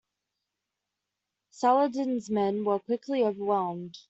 Saladin's men were quickly overwhelmed.